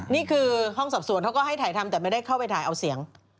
นี่คือห้องสอบสวนเขาก็ให้ถ่ายทำแต่ไม่ได้เข้าไปถ่ายเอาเสียง